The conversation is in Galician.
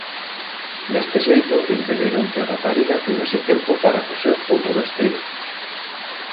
Deste xeito impediron que a rapariga tivese tempo para coser outro vestido.